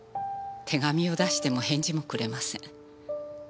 手紙を出しても返事もくれません。